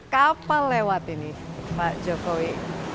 kapan lewat ini pak jokowi